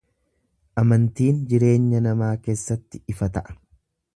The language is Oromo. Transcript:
Amantiin jireenya namaa keessatti ifa ta’a.